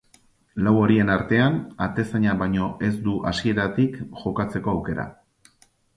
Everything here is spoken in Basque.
Lau horien artean, atezainak baino ez du hasieratik jokatzeko aukera.